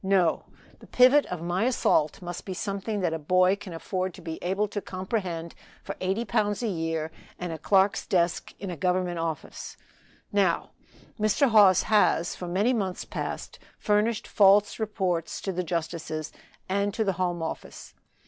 No! the pivot of my assault must be something that a boy can afford to be able to comprehend for eighty pounds a year and a clerk's desk in a Government office. Now, Mr. Hawes has, for many months past, furnished false reports to the justices and to the Home Office.